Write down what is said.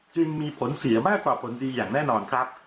จึงมีผลเสียมากกว่าผลดีอย่างแน่นอนครับ